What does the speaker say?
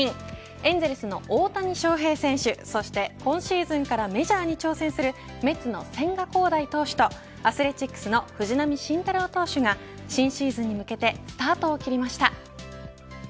エンゼルスの大谷翔平選手そして、今シーズンからメジャーに挑戦するメッツの千賀滉大投手とアスレチックスの藤浪晋太郎投手が新シーズンに向けてスタートを切りました。